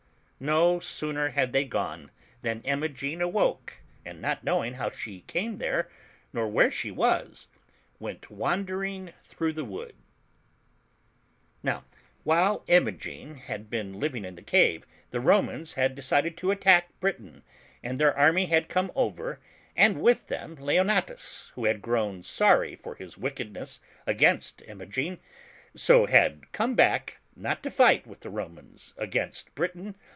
No sooner had they gone than Imogen awoke, and not knowing how she came there, nor where she was, went wandering through the wood. CYMBELINE. 35 Now while Imogen had been living in the cave, the Romans had decided to attack Britain, and their army had come over, and with them Leonatus, who had grown sorry for his wickedness against Imogen, so had come back, not to fight with the Romans against Britain